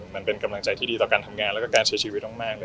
มันเป็นกำลังใจที่ดีต่อการทำงานแล้วก็การใช้ชีวิตมากเลย